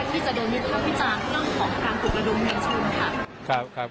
ที่จะโดนวิทางวิจารณ์ของการปลุกระดมของมีชน